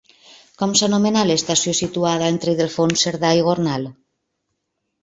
Com s'anomenà l'estació situada entre Ildefons Cerdà i Gornal?